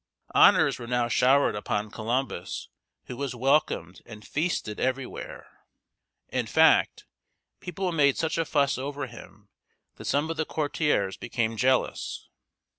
Honors were now showered upon Columbus, who was welcomed and feasted everywhere. In fact, people made such a fuss over him that some of the courtiers became jealous.